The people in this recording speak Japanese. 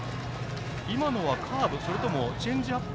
今のはカーブかそれともチェンジアップ。